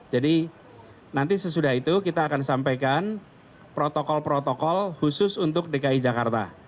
jadi nanti sesudah itu kita akan sampaikan protokol protokol khusus untuk dki jakarta